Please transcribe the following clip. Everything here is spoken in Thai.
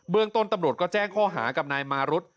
เรื่องต้นตำรวจก็แจ้งข้อหากับนายมารุธ